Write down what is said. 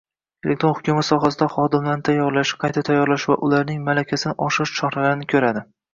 elektron hukumat sohasida xodimlarni tayyorlash, qayta tayyorlash va ularning malakasini oshirish choralarini ko‘radi;